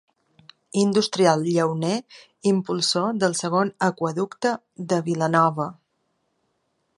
Industrial llauner, impulsor del segon aqüeducte de Vilanova.